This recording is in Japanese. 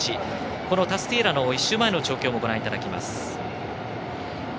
このタスティエーラの１週前の調教もご覧いただきます。